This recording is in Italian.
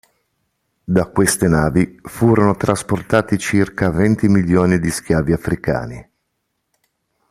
Da queste navi furono trasportati circa venti milioni di schiavi africani..